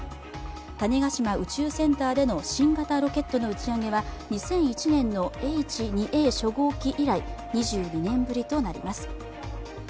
種子島宇宙センターでの新型ロケットの打ち上げは２００１年のＨ２Ａ初号機以来２２年ぶりとなります。